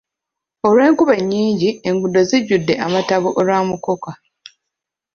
Olw'enkuba ennyingi, enguudo zijjudde amataba olwa mukoka.